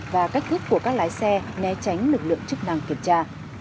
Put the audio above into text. và cách thức của các lái xe né tránh lực lượng chức năng kiểm tra